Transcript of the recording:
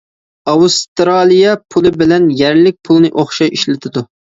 ئاۋسترالىيە پۇلى بىلەن يەرلىك پۇلنى ئوخشاش ئىشلىتىدۇ.